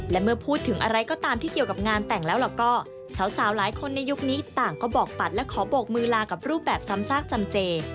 และเมื่อพูดถึงอะไรก็ตามที่เกี่ยวกับงานแต่งแล้วล่ะก็สาวหลายคนในยุคนี้ต่างก็บอกปัดและขอโบกมือลากับรูปแบบซ้ำซากจำเจ